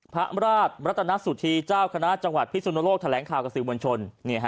พระราชรัตนสุธีเจ้าคณะจังหวัดพิสุนโลกแถลงข่าวกับสื่อมวลชน